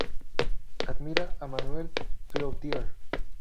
Admira a Manuel Clouthier.